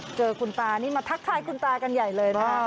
เจอคุณตานี่มาทักทายคุณตากันใหญ่เลยนะคะ